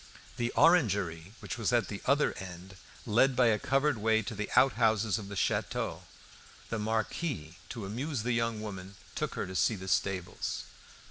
The orangery, which was at the other end, led by a covered way to the outhouses of the château. The Marquis, to amuse the young woman, took her to see the stables.